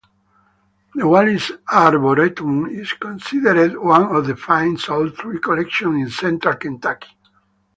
The Wallis Arboretum is considered one of the finest old-tree collections in central Kentucky.